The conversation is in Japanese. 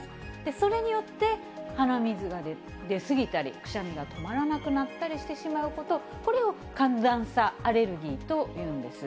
それによって鼻水が出過ぎたり、くしゃみが止まらなくなったりしてしまうこと、これを寒暖差アレルギーというんです。